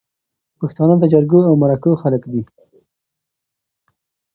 پښتانه د جرګو او مرکو خلک دي